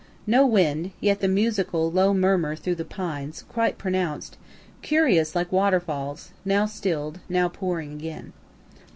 No wind, yet the musical low murmur through the pines, quite pronounced, curious, like waterfalls, now still'd, now pouring again.